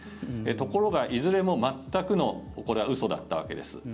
ところがいずれも全くの嘘だったわけです。